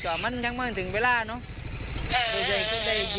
แล้วพี่สาวกลับไปอยู่ที่อุดรธานี